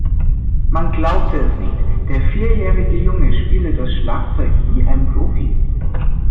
Man glaubte es nicht, der vierjährige Junge spiele das Schlagzeug wie ein Profi.